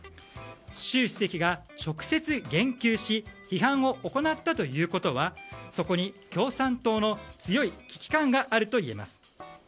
習主席が直接言及し批判を行ったということはそこに共産党の強い危機感があるといえます。